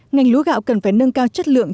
ngành lúa gạo cần phải nâng cao chất lượng